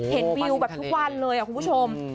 วิวแบบทุกวันเลยคุณผู้ชม